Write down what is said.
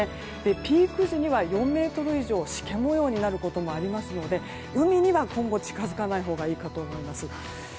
ピーク時には４ｍ以上しけもようになることもありますので海には今後、近づかないほうがいいかと思います。